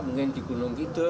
mungkin di gunung kidul